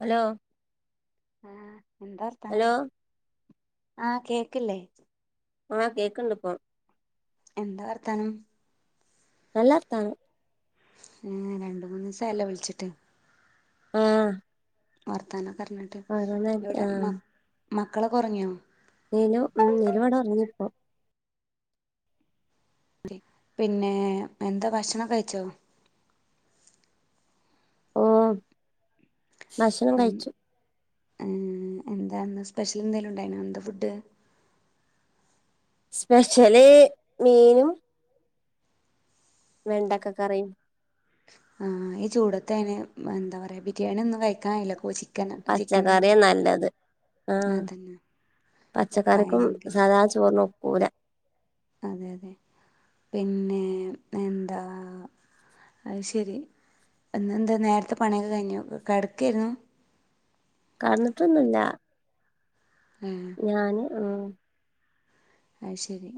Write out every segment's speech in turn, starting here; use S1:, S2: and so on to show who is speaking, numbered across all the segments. S1: Hello
S2: ആ എന്തോർത്തനം
S1: hello
S2: ആഹ് കേക്കില്ലേ
S1: ആഹ് കേക്കണ്ടിപ്പോ
S2: എന്ത വർത്താനം
S1: നല്ലർത്താനം
S2: മ്മ് രണ്ട് മൂന്ന് ദിവസം ആയല്ല വിളിച്ചിട്ട്
S1: ആ
S2: വർത്താനം പറഞ്ഞിട്ട് ഇവിടെ മ മക്കളൊക്കെ ഉറങ്ങിയോ
S1: നീലു ഉം നീലു ഇവിടെ ഉറങ്ങി ഇപ്പൊ
S2: പിന്നെ എന്താ ഭക്ഷണം കഴിച്ചോ?
S1: ഓഹ് ഭശണം
S2: ഏഹ്
S1: കഴിച്ചു
S2: എന്താന്ന് സ്പെഷ്യൽ എന്തേലും ഉണ്ടായിന ഇന്നത്ത ഫുഡ്
S1: സ്പെഷ്യല് മീന് വെണ്ടക്കക്കറി
S2: ആഹ് ഈ ചൂടത്ത് അയിന് അങ്ങനെ എന്താ പറയാ ബിരിയാണി ഒന്നും കഴിക്കാൻ കഴിയില്ല. ചിക്കൻ ചിക്കനൊന്നും
S1: പച്ചക്കറിയാ നല്ലത് ആഹ്
S2: അതന്നെ
S1: പച്ചക്കറിക്കും
S2: ഭയങ്കര
S1: സാധാ ചോറിനും ഒക്ക് പോരാ
S2: അതെ അതെ പിന്നെ എന്താ അയ്ശരി ഇന്ന് എന്താ നേരത്തെ പണിയൊക്കെ കഴിഞ്ഞോ കെടക്കായിരുന്നു.
S1: കെടന്നിട്ടൊന്നുല്ല
S2: ഏ
S1: ഞാന് ആഹ്
S2: അയ്ശരി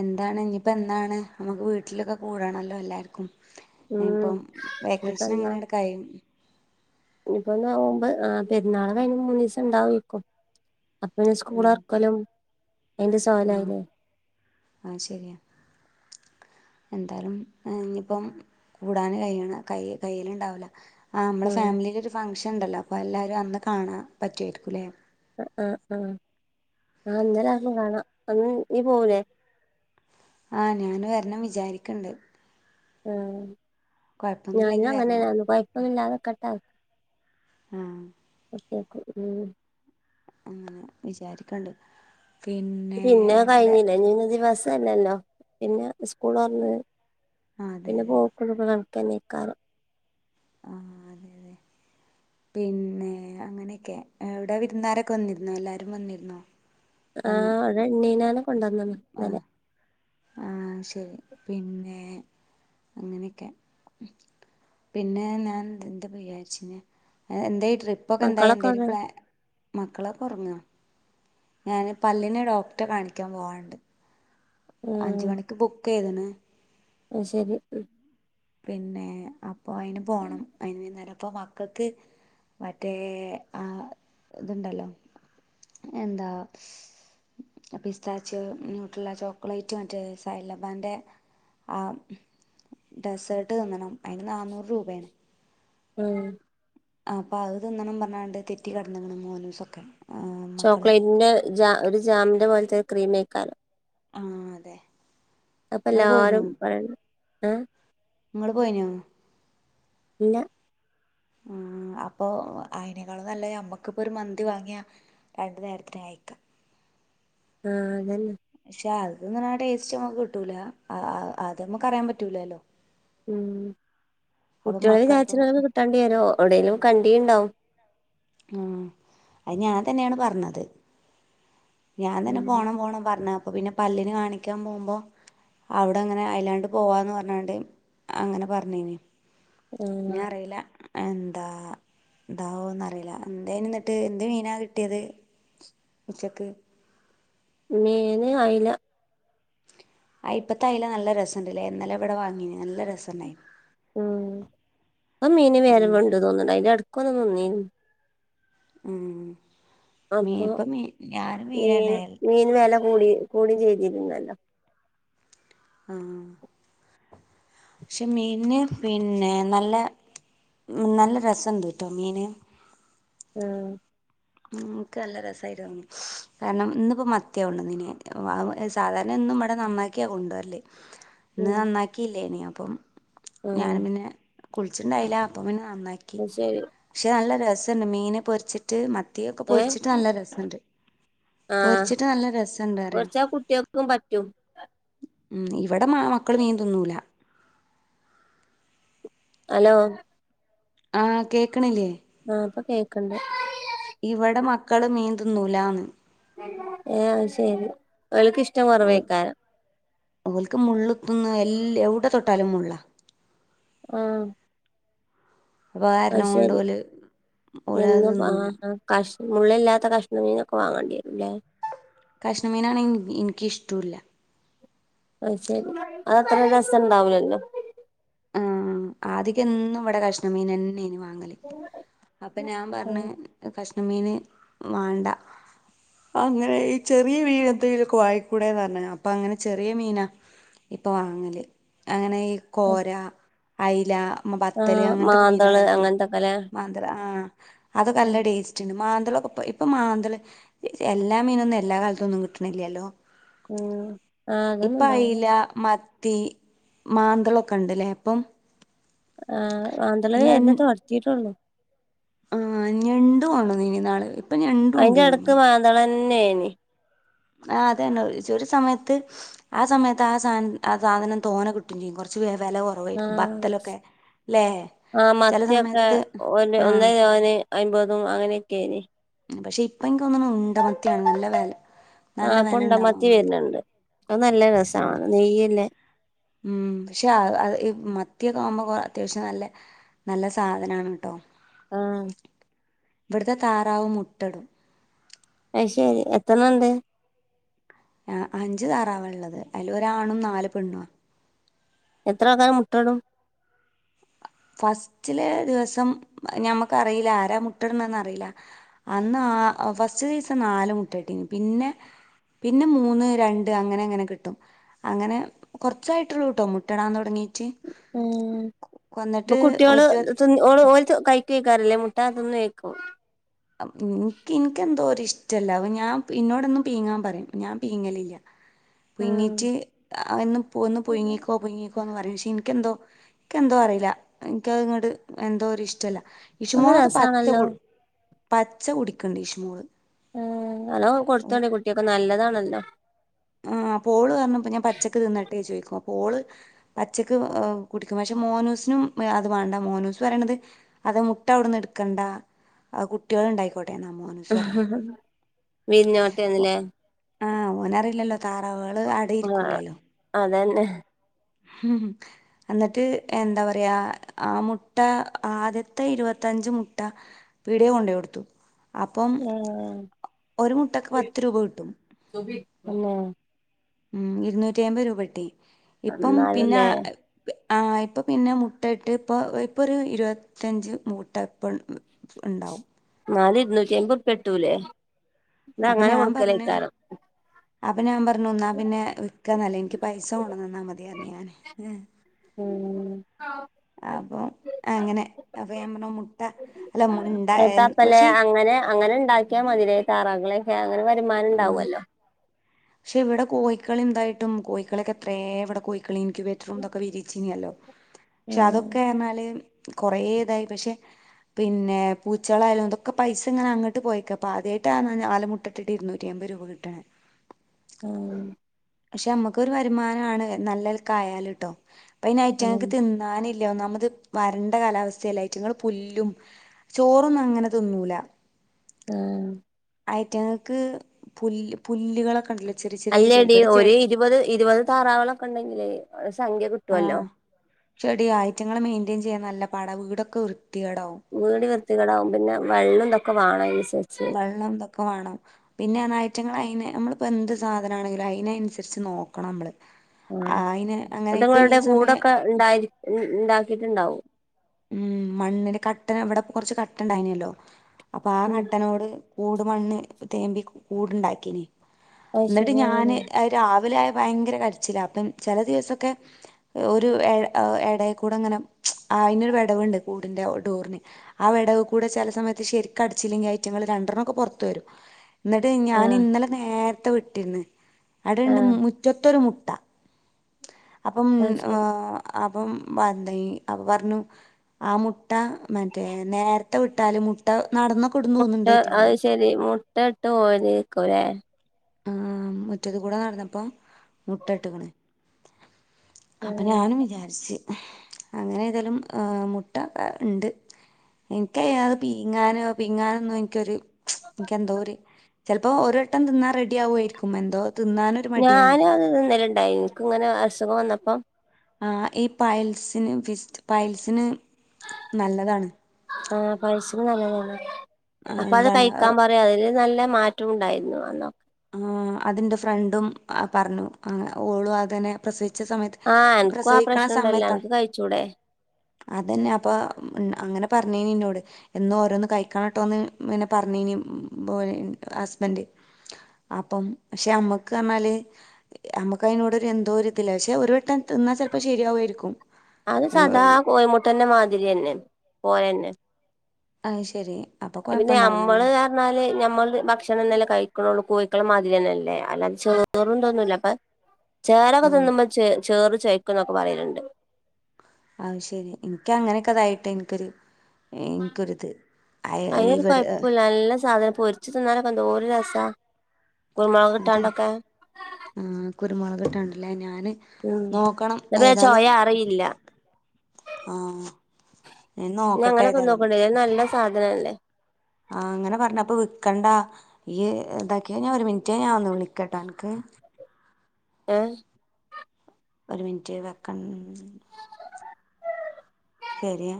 S2: എന്താണ് ഇനിയിപ്പോ എന്നാണ്? നമുക്ക് വീട്ടിലൊക്കെ കൂടണല്ലോ എല്ലാർക്കും.
S1: ഉം
S2: ഇനിയിപ്പം വേക്കേഷൻ അങ്ങനെ അങ്ങട് കഴിയു
S1: ഇനിപ്പോ നോമ്പ് ആ പെരുന്നാള് കഴിഞ്ഞ് മൂന്നീസം ഇണ്ടാവാരിക്കും. അപ്പെ ഇനി സ്കൂളൊർക്കലും
S2: ആഹ് അയ്ശെരിയാ. എന്തായാലും ആഹ് ഇനിയിപ്പം കൂടാന് കൈയണ കൈ കയ്യല്ണ്ടാവൂല. ആ മ്മളെ
S1: ആഹ്
S2: ഫാമിലീല് ഒരു ഫങ്ങ്ഷൻ ഇണ്ടല്ലോ? അപ്പൊ എല്ലാരും അന്ന് കാണാൻ പറ്റുവായിരിക്കൂല്ലേ?
S1: ആ ആഹ് ആഹ് ആ അന്നേരം ആട്ന്ന് കാണാ അന്ന് നീ പോവൂലേ
S2: ആഹ് ഞാന് വര ണം വിചാരിക്ക്ണ്ട്.
S1: ആഹ്. ഞാനും അങ്ങനെ
S2: വരണം
S1: അന്നു പയ് [unintelligible] ക്കട്ടെ
S2: ആഹ്.
S1: [unintelligible]
S2: ആഹ് വിചാരിക്ക്ണ്ട്.
S1: പിന്നെ കഴിഞ്ഞിലെ ഇനി [unintelligible] ദിവസ് [unintelligible] ല്ലല്ലോ പിന്നെ ഉസ്കൂൾ തൊറന്ന്
S2: ആ അതെ അതെ
S1: പിന്നെ [unintelligible] [unintelligible]
S2: ആ അതെ അതെ പിന്നെ അങ്ങനെക്കെ അവിടെ വിരുന്നാരൊക്കെ വന്നിരുന്നോ എല്ലാരും വന്നിരുന്നോ?
S1: ആ
S2: പങ്ങും
S1: ഇവടെ ഇണ്ണീനാനെ കൊണ്ടന്നണ്ണ് ഇന്നലെ.
S2: ആഹ് ശരി പിന്നെ അങ്ങനെയൊക്കെ പിന്നെ ഞാൻ എന്താപ്പോ വിചാരിച്ചിന് അ എന്തെ ട്രിപ്പൊക്കെ എന്തായി
S1: മക്കളൊക്കെ
S2: എന്തേലും
S1: അവടെ
S2: പ്ലാ മക്കളൊക്കെ ഒറങ്ങാ ഞാൻ പല്ലിന് ഡോക്ടറെ കാണിക്കാൻ പോവാണ്ട്. അഞ്ച്
S1: ഉം
S2: മണിക്ക് ബുക്കയ്ത്ണ്.
S1: അത് ശരി ഉം
S2: പിന്നെ അ പ്പൊ അയിന് പോണം അയിന് വൈന്നേരം ഇപ്പൊ മക്കക്ക് മറ്റേ ആ ഇതുണ്ടല്ലോ എന്താ സ് പിസ്താച്ച് ന്യൂട്രല്ല ചോക്ലേറ്റ് മറ്റേ സൈലബാന്റെ ആ ഡെസേർട്ട് തിന്നണം അതിന് നാന്നൂറ് രൂപേണ്
S1: ഉം
S2: അപ്പൊ അത് തിന്നണം പറഞ്ഞാണ്ട് തെറ്റി കടന്ന്ക്കെണ് മോനുസൊക്കെ
S1: ചോക്ലേറ്റിന്റെ ജ ഒര് ജാമിന്റെ പോലത്തെ ക്രീംമ്മേക്കാലോ
S2: ആ അതെ
S1: അപ്പ
S2: ഇങ്ങള്
S1: എല്ലാരും പറയെണ് ഏഹ്
S2: നിങ്ങള് പോയിനോ
S1: ഇല്ല
S2: മം അപ്പൊ അയിനേക്കാളും നല്ലത് നമ്മക്കിപ്പോഒരു മന്തി വാങ്ങിയാ രണ്ടു നേരത്തിന് കഴിക്കാം
S1: ആഹ് അതനെ
S2: പക്ഷെ അത് തിന്നുന്ന ടേസ്റ്റ് നമ്മുക്ക് കിട്ടൂല ആഹ് ആഹ് അത് നമുക്ക് അറിയ പറ്റൂലല്ലോ
S1: ഉം
S2: അപ്പൊ
S1: കുട്ടികളെ
S2: മക്കളപ്പം
S1: വിചാരിച്ചിട്ടാണ് കിട്ടാണ്ടി വരുവോ ഒവിടെലും കണ്ടീണ്ടാവും
S2: ആഹ് അത് ഞാൻ തന്നെയാണ് പറഞ്ഞത് ഞാൻ തന്നെ
S1: ഉം
S2: പോണം പോണം പറഞ്ഞ ഇപ്പൊ പിന്നെ പല്ലിന് കാണിക്കാൻ പോകുമ്പോ അവിടെ അങ്ങനെ അയിലാണ്ട് പോവാന്ന് പറഞ്ഞാണ്ട് അങ്ങനെ പറഞ്ഞിനി
S1: ഉം
S2: ഞ്ഞ് അറീല എന്താ എന്താവോന്നറിയില്ല എന്തയിനുന്നിട്ട് എന്ത് മീനാ കിട്ടിയത് ഉച്ചക്ക്
S1: മീന് അയ്ല
S2: ആയി പ്പത്തെ അയല നല്ല രസണ്ട്ല്ലേ എന്നലെ ഇവിടെ വാങ്ങീന് നല്ല രസുണ്ടായിനു
S1: ആഹ് അമീൻ വേറെ
S2: ഉം
S1: വണ്ട് തോന്നെണ് അതിന്റെടു ക്കൊന്നു നിന്നിനു
S2: ഉം മീ
S1: അപ്പൊ
S2: ഇപ്പ മീ ഞാനും
S1: മീന്
S2: മീനന്നെ
S1: മീന് വെല കൂടി കൂടി ചെയ്തിരുന്നല്ലോ
S2: ആഹ് പക്ഷെ മീന് പിന്നെ നല്ല നല്ല രസണ്ട്ട്ടോ മീന്
S1: ആഹ്
S2: ഉം ക്ക് നല്ല രസായിട്ട് തോന്നി കാരണം ഇന്നിപ്പോ മത്തിയാ കൊണ്ടന്നിനെ സാധാരണ ഇന്നും ഇവിടെ നന്നാക്കിയാ കൊണ്ടുവരല്ല് ഇന്ന്
S1: ഉം
S2: നന്നാക്കിയില്ലേനിയോ അപ്പം
S1: ആഹ്
S2: ഞാനും പിന്നെ കുളിച്ചിട്ടുണ്ടായില്ല അപ്പ പിന്നെ നന്നാക്കി
S1: അത് ശരി
S2: പക്ഷെ നല്ല രസ [unintelligible] മീന് പൊരിച്ചിട്ട് മ ത്തി ഒക്കെ
S1: ഏഹ്
S2: പൊരിച്ചിട്ട് നല്ല രസണ്ട്
S1: ആഹ്
S2: പൊരിച്ചിട്ട് നല്ല രസണ്ട് പറയാ.
S1: കൊറച്ചാ കുട്ട്യോക്കും പറ്റും
S2: ഉം ഇവിടെ മാ മക്കള് മീൻ തിന്നൂല.
S1: ഹലോ
S2: ആഹ് കേക്കണില്ലേ?
S1: ആ ഇപ്പോ കേക്കണ്ട്.
S2: ഇവിടെ മക്കള് മീൻ തിന്നൂലാന്ന്.
S1: ആഹ് അത് ശരി. അവൾക്ക് ഇഷ്ടം
S2: ഓൽ
S1: വറവേക്കാനാ.
S2: ല്ല് എവിടെ തൊട്ടാലും മുള്ളാ.
S1: ആഹ്
S2: [unintelligible]
S1: അത്
S2: കാരണം കൊണ്ട്
S1: ശരി
S2: ഓല് ഓരത്
S1: എന്നും
S2: തിന്നൂലാ.
S1: ആഹ് കഷ് മുള്ളില്ലാത്ത കഷ്ണം മീനൊക്കെ വാങ്ങേണ്ടി വരൂല്ലേ?
S2: കഷ്ണം മീനാണെങ്കി എനി എനിക്കിഷ്ട്ടുല്ല
S1: അത് ശരി അതത്ര രസംണ്ടാവ [unintelligible] ലല്ലോ
S2: ആ ആദിക്ക്‌ എന്നും ഇവിടെ കഷ്ണ മീൻ തന്നെ ഇ [unintelligible] ങ്ങൽ ഉം അപ്പൊ ഞാൻ പറഞ്ഞ് കഷ് മീന് വാണ്ട അങ്ങനെ ഈ ചെറീയ മീനെന്തെങ്കിലും ഒക്കെ വാങ്ങിക്കൂടെന്ന് പറഞ്ഞ് അപ്പ അങ്ങനെ ചെറിയ മീന ഇപ്പ വാങ്ങല് അങ്ങന ഈ കോ
S1: ആഹ്
S2: അയില പത്തല്
S1: ആഹ്
S2: അങ്ങനത്തൊക്കെ
S1: മാന്തള്
S2: മീനുകളുണ്ടല്ലോ
S1: അങ്ങനത്തൊക്കെല്ലേ
S2: മാന്തൾ ആ അത് നല്ല ടേസ്റ്റ്ണ്ട് മാ മന്തള് ഒക്കെ പോയി ഇപ്പൊ മാന്തള് എല്ലാ മീനൊന്നും എല്ലാ കാലതൊന്നും കിട്ടണില്ലല്ലോ
S1: ഉം ആ അതൊന്നും ഇണ്ടാവില്ല
S2: ത്തീ മാന്തള് കണ്ടല്ലേ അപ്പം
S1: ആ മാന്തള് [unintelligible]
S2: ഞ
S1: വേരുന്ന തുടത്തിയിട്ടുള്ളൂ
S2: ആ ഞണ്ട് പോണ [unintelligible] ഇനീനി നാളെ വരു
S1: അയിന്റെ അടക്ക് മാന്തളൻ ന്നെയനി [unintelligible]
S2: ആ അതന്നെ ഒരു [unintelligible] ഒരു സമയത്ത് ആ സമയത്ത് ആ സധന ആ സാധനം തോനേ കിട്ടും [unintelligible] ചെയ്യും കൊറച്ച പേ [unintelligible] ര
S1: ആഹ ആ
S2: ചില
S1: മത്തിയൊക്കെ
S2: സമയത്ത്
S1: ഒരു
S2: ആ
S1: ഒന്നന് അമ്പതും അങ്ങനെയൊക്കെന്
S2: പക്ഷെ ഇപ്പ എനക്ക്ന്ന ഉണ്ട മത്തിയാണ് നല്ല വില നല്ല
S1: ആഹ
S2: വില ഉണ്ടാവാൻ
S1: പുണ്ടമത്തി
S2: മതി
S1: വരുന്നുണ്ട് അത് നല്ല രസമാണ് നെയ്യല്ലേ
S2: ഉം പക്ഷെ മത്തിയൊക്കെ ആവുമ്പോ അത്യാവശ്യം നല്ല നല്ല സാധനാണ് കേട്ടോ
S1: ആഹ
S2: ഇടത താറാവും മുട്ടടും
S1: അ ശരി എത്രണുണ്ട്
S2: ആ അഞ്ചു താറാവ ഉള്ളത് അതില് ഒരാണും നാല് പെണ്ണുവാ
S1: എത്ര ആക്കാരം മുട്ടടും
S2: ഫസ്റ്റിലെ ദിവസം ഞമ്മക്കറിയില്ല ആരാ മുട്ടിടണന്ന് അറിയില്ല അന്ന് ആ ഫസ്റ്റ് ദിവസം നാല് മുട്ട ഇട്ടിന് പിന്നെ പിന്നെ മൂന്ന് രണ്ട് അങ്ങനെ അങ്ങനെ കിട്ടും അങ്ങനെ കൊറച്ചായിട്ടുള്ളൂ കട്ടോ മുട്ടടാന്ന് തുടങ്ങീട്ട്
S1: ഉം അപ്പൊ
S2: ഒരു
S1: കുട്ടികള്ഓഓ കഴക്കെക്കാറില്ലേ മുട്ട അതൊന്നും കേക്കോ
S2: ചറ്റല്ല അ ഞാൻ ഇന്നോടൊന്നും പീങ്ങാൻ പറയും ഞാൻ പീങ്ങലില്ല
S1: ഉം
S2: പുങ്ങിറ്റ്ന്ന് ഒന്ന് പുൊങ്ങിക്കോ പൊങ്ങിക്കോ ന്ന് പറയാം പക്ഷെ എനിക്കെന്തോ എനിക്ക എന്തോ അറിയില്ല എനിക്കങ്ങട്ടട് എന്തോ ഒരു ഇഷ്ടമല്ല
S1: ഒന്ന
S2: ഇഷുമോളത് പച്ച
S1: രസണല്ലോ
S2: കു പച്ച കുടിക്കണ്ട് ഈഷ്മോള്
S1: ആ അലോ കൊടുത്തോണ്ടേ കുട്ടിയൊക്കെ നല്ലതാണല്ലോ [inaudible]
S2: ആ് പോള് പറഞ്ഞപ്പോ ഞാൻ പച്ചക്ക് തിന്നിട്ട് ട്ട ചോദിക്കും അള് പച്ചക്ക് കുടിക്കും പക്ഷെ മോനൂസിനും അത് വേണ്ട മോനൂസ് പറയണത് അത് മുട്ട അവിടുന്ന് എടുക്കണ്ട കുട്ടികൾ ഉണ്ടായിക്കോട്ടെ [unintelligible] മോ അനുസ്വരണേ
S1: വിരിഞ്ഞോട്ടേന്ന്ല്ലേ
S2: താറകള് അടയിരിക്കൂലല്ലോ
S1: ആ
S2: ഹം എന്നിട്ട് എന്താ പറയാ ആ മുട്ട ആദ്യത്തെ ഇരുപത്തഞ്ച് മുട്ട പീടിയെ കൊണ്ട കൊടുത്തു അപ്പം
S1: ഏഹ്
S2: ഒരു മുട്ടക്ക് പത്ത് രൂപ കിട്ടും
S1: പിന്നെ
S2: ഉം ഇരുന്നൂറ്റി അമ്പത് രൂപട്ടി ഇപ്പം പിന്നെ
S1: എന്നാലുംല്ലേ
S2: ആ ഇപ്പൊ പിന്നെ മുട്ടയിട്ട് ഇപ്പൊ ഇപ്പൊ ഒരു ഇരുപത്തിയഞ്ച് മുട്ട ഇപ്പ ഉണ്ടാവും
S1: നല് ഇരുന്നൂക്കിയ്പോ പെട്ടൂലേ ന്നാ അങ്ങനെ കൊടുക്കലേക്കാരം
S2: അപ്പന ഞ പറന്നാ പിന്നെ വിക്കന്നല്ലേ എനിക്ക് പൈസ ആണംന്നാ മതിയഞ്ഞ ഞാന്
S1: ഉം
S2: അപ്പൊ അങ്ങനെ അപ്പ പറ മുട്ട അല്ല മുണ്ട
S1: എത്താപ്പല്ലേ
S2: പക്ഷി
S1: അങ്ങനെ ഞാനങ്ങനെ വരുമാനം ഉണ്ടാവുവല്ലോ
S2: പക്ഷെ ഇവിടെ കോഴിക്കളിണ്ടായിട്ടും കോഴി ക്കളൊക്കെത്രേം ഇവിടെ പോയി. ക്ലീനിക് ബെഡ്റൂമൊക്കെ വിരിച്ചിനല്ലോ പക്ഷെ
S1: ഉം
S2: അതൊക്കെ എന്നാല് കുറേയിതായി പക്ഷെ പിന്നെ പൂച്ചളായാലും ഇതൊക്കെ പൈസ ഇങ്ങനെയങ്ങോട്ട് പോയേക്ക അപ്പ ആദ്യയായിട്ടാ നാല്‌ മുട്ടട്ട് ഇരുന്നൂറ്റിയമ്പത് രൂപ കിട്ടണ
S1: ഉം
S2: പക്ഷെ നമ്മുക്കൊരു വരുമാനമാണ് നല്ലൽക്ക ആയാല് ട്ടോ പ്പം അയ്ന്
S1: ഉം
S2: ഐറ്റങ്ങൾക്ക് തിന്നാൻ ഇല്ല ഒന്നാമത് വരണ്ട കാലാവസ്ഥല്ലേ ഐറ്റങ്ങള് പുല്ലും ചോറൊന്നും അങ്ങനെ തിന്നൂല്ല.
S1: ആ
S2: ഐറ്റങ്ങൾക്ക് പുല്ല് പുല്ലുകളൊക്കെ യുണ്ടല്ലോ
S1: അല്ലടീ ഒരു ഇരുപത് ഇരുപത് താറാവളൊക്കെ ഉണ്ടെങ്കിലേ സംഖ്യ
S2: ആ
S1: കിട്ടുവല്ലോ
S2: ചെടിയ ഐറ്റങ്ങള് മെയി തുചെയ്യാൻ നല്ല പാടാ വീടൊക്കെ വൃ
S1: വീട് വൃത്തികേടാവും പിന്നെ വെള്ളംന്തൊക്കെ വേണമീ
S2: വെള്ളം ഇതൊക്കെ വേണം പിന്നെനയറ്റങ്ങൾ അയിനെ നമ്മളിപ്പോൾ എന്ത് സാധനമാണെങ്കിലും അതിനനുസരിച്ച് നോക്കണം നമ്മള്
S1: ആ
S2: അയിന് അങ്ങനെ ഇപ്പൊ ഈ
S1: അതുങ്ങളുടെ
S2: സമയം
S1: കൂടൊക്കെ യിണ്ടായി ഇണ്ടാക്കിട്ടുണ്ടാവും.
S2: ഉം മണ്ണിന്റെ കട്ടന ഇവിടെ കൊറച്ച് കട്ട ഉണ്ടായിന്നല്ലോ അപ്പൊ ആ
S1: ഉം
S2: ഘട്ടനോട് കൂട് മണ്ണ് തേമ്പി കൂടുണ്ടാക്കിനി
S1: അത്
S2: എന്നിട്ട്
S1: ശരി
S2: ഞാന്
S1: അങ്ങനെ
S2: രാവിലെ ആയപ്പ ഭയങ്കര കരിച്ചിലാ അപ്പ ചില ദിവസൊക്കെ ഒരു ഇടയ്ക്കൂടെയങ്ങനെ അയിനൊരു വിടവുണ്ട് കൂടിന്റെ ഡോറിന് ആ വിടവിക്കൂടെ ചില സമയത്ത് ശരിക്കും അടച്ചില്ലെങ്കിൽ ഐറ്റങ്ങൾ രണ്ടെണ്ണോക്കെ പുറത്ത് വരും എന്നിട്ട് ഞാൻ
S1: ആഹ്
S2: ഇന്നലെ നേര് ത്തുവിട്ടിന്ന് അടുണ്ട്
S1: ആഹ്
S2: മുറ്റത്തൊരു മു ട്ട അപ്പം
S1: അത്
S2: ഏ
S1: ശരി
S2: അപ്പം വന്തേ അപ്പൊ പറഞ്ഞു ആ മുട്ട മറ്റേ നേരത്തെ വിട്ടാലും മുട്ട നടന്ന കൊടുന്ന് വർണ്ണ്ട് ഐറ്റങ്ങള്
S1: ഇട്ടട്ടോ ഒരേ കൊരേ
S2: ആ മുറ്റത്ത് കൂടെ നടന്നപ്പോ മുട്ട ഇട്ടക്കണ് അപ്പൊ
S1: ഉം
S2: ഞാനും വിചാരിച്ച് അങ്ങനെ എതാലും മുട്ട ഇണ്ട് എനിക്ക പീഞാനോ പീഞാന്നും എനിക്കരു എനിക്ക എന്തോരു ചിലപ്പോൾ ഒരുട്ടം തിന്നാ റെഡി റെഡിയാവയിരിക്കും എന്തോ തിന്നാനൊരു മടിയാണ്
S1: ഞാനും അത് തിന്നല്ല ഡൈനക്ക് വേറേ അസുഖം വന്നപ്പം
S2: ആ ഈ പൈൽസിന് വിസ്റ്റ് പൈൽസിന് നല്ലതാണ്
S1: ഇത് നല്ലതാണ്
S2: ആ,
S1: അപ്പൊ അത്
S2: എന്താണ്
S1: കഴിക്കാൻ പറയാ അതില് നല്ല മാറ്റം ഉണ്ടായിരുന്നു അന്നൊക്കെ
S2: ആ അതിന്റെ ഫ്രണ്ടും പറഞ്ഞു ഓളു അതിനെ പ്രസവി പ്രസവിച്ച സമയത്ത്
S1: ആഹ് അനക്കും ആ
S2: പ്രസവിക്കണ
S1: പ്രശ്നം ഉണ്ടല്ലോ
S2: സമയത്താ
S1: അനക്ക് കഴിച്ചൂടെ
S2: അതന്നെ അപ്പൊ അങ്ങനെ പറഞ്ഞിനീ എന്നോട് എന്നോ ഓരോന്ന് കഴിക്കണട്ടോന്ന്നെ പറഞ്ഞനി ഹസ്ബൻഡ് അപ്പം പക്ഷെ അമ്മക്ക് പറഞ്ഞാല് നമ്മക്ക് അതിനോട് ഒരു എന്തോരിതില്ല പക്ഷെ ഒരു വെട്ടം തിന്നാ ചിലപ്പോ ശരിയാവുമായിരിക്കും
S1: അത്
S2: ഏഹ്
S1: സാദാ
S2: ഒരു-
S1: കോഴിമുട്ടേന്റെ മാതിരി തന്നെ പോയന്നെ
S2: ആ ശരി അപ്പൊ
S1: പിന്നെ നമ്മള്
S2: കൊഴപ്പുണ്ടാവൂലല്ലേ
S1: പറഞ്ഞാല് ഞമ്മള് ഭക്ഷണം ഇന്നലെ കഴി കോഴിക്കള മാതിരി തന്നെല്ലേ അല്ലാതെ ചോറും തിന്നൂല്ലപ്പെ
S2: ആ
S1: ചോറക്കെ തിന്നുമ്പം ച് ചോറ് ചോയ്ക്കുന്നൊക്കെ പറയലിണ്ട്
S2: അത് ശരി എനിക്കങ്ങനെക്കെതായിട്ട് എനിക്കൊര് എനിക്കൊരിത് [unintelligible]
S1: അതിനൊരു
S2: ഇവിടെ
S1: കുഴപ്പമില്ല നല്ല സാധനം പൊരിച്ച് തിന്നാനൊക്കേ എന്തോര് രസാ കുരുമുളക്
S2: എന്ത്
S1: ഇട്ടാണ്ടൊക്കെ
S2: ആ കുരുമുള് ഇട്ടാണ്ട് ല്ലെ ഞാന്
S1: ഉം
S2: നോക്കണം
S1: ന്നാ പിന്നെ
S2: ഏതാലും
S1: ചൊയ അറിയില്ല
S2: ആ
S1: ഞാ അങ്ങനെ തിന്നോക്കോണ്ടി ഇത് നല്ല സാധനം അല്ലേ
S2: ആ അങ്ങനെ പറഞ്ഞപ്പോ വിക്കണ്ടാ ഇയ്യ് ഇതാക്കിയാ ഞാൻ ഒരു മിനിറ്റ് ഞാ ഒന്ന് വിളിക്കട്ടാ അനക്ക്
S1: ഏ
S2: ഒരു മിനിറ്റ് വെക്കണ ശരിയാ